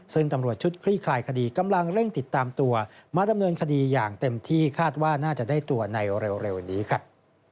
ซึ่งตำรวจชุดคลี่คลายคดีกำลังเร่งติดตามตัวมาดำเนินคดีอย่างเต็มที่คาดว่าน่าจะได้ตัวในเร็วนี้ครับ